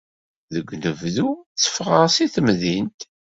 Deg unebdu, tteffɣeɣ seg temdint.